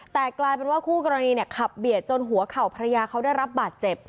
แต่กลายเป็นว่าคู่กรณีเนี่ยขับเบียดจนหัวเข่าภรรยาเขาได้รับบาดเจ็บ